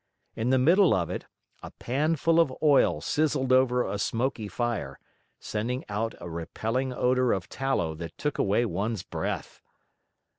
In the middle of it, a pan full of oil sizzled over a smoky fire, sending out a repelling odor of tallow that took away one's breath.